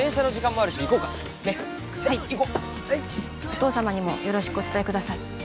お父様にもよろしくお伝えください。